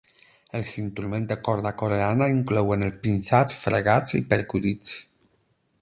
Els instruments de corda coreana inclouen els pinçats, fregats i percudits.